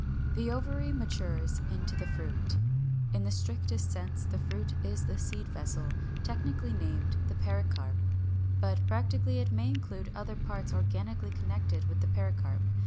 = The ovary matures into the Fruit. In the strictest sense the fruit is the seed vessel, technically named the PERICARP. But practically it may include other parts organically connected with the pericarp.